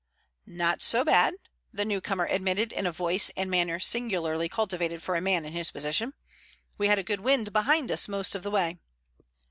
"Not so bad," the newcomer admitted in a voice and manner singularly cultivated for a man in his position. "We had a good wind behind us most of the way."